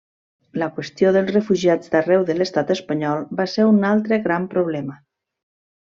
La qüestió dels refugiats d'arreu de l'Estat espanyol va ser un altre gran problema.